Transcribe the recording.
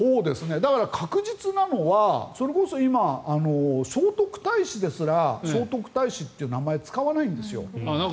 確実なのは、それこそ今聖徳太子ですら聖徳太子という名前を使わないんですよ。